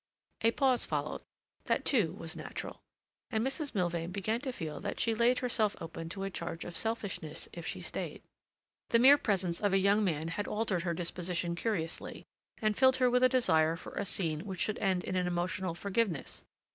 A pause followed; that, too, was natural; and Mrs. Milvain began to feel that she laid herself open to a charge of selfishness if she stayed. The mere presence of a young man had altered her disposition curiously, and filled her with a desire for a scene which should end in an emotional forgiveness.